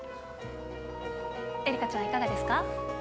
愛花ちゃん、いかがですか？